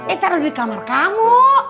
eh taruh di kamar kamu